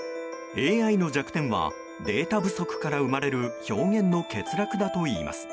ＡＩの弱点はデータ不足から生まれる表現の欠落だといいます。